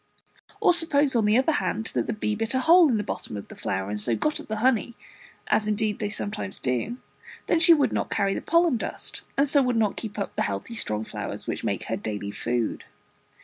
Or suppose on the other hand that the bee bit a hole in the bottom of the flower, and so got at the honey, as indeed they sometimes do; then she would not carry the pollen dust, and so would not keep up the healthy strong flowers which make her daily food.